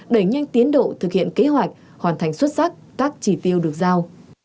đẩy nhanh tiến độ thực hiện kế hoạch hoàn thành xuất sắc các chỉ tiêu được giao